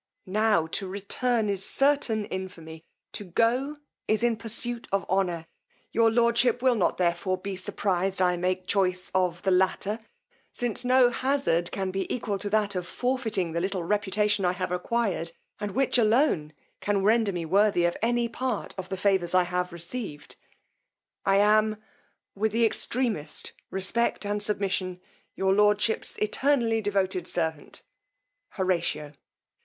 Now to return is certain infamy! To go, is in pursuit of honour! Your lordship will not therefore be surprized I make choice of the latter, since no hazard can be equal to that of forfeiting the little reputation I have acquired, and which alone can render me worthy any part of the favours I have received. I am, With the extremest respect and submission, Your lordship's Eternally devoted servant, HORATIO."